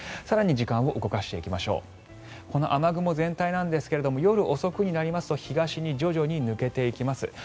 更に時間を動かしていきましょうこの雨雲全体なんですが夜遅くになりますと東に徐々に抜けていきます。